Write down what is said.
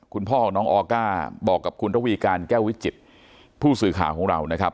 คุณพ่อของน้องออก้าบอกกับคุณระวีการแก้ววิจิตผู้สื่อข่าวของเรานะครับ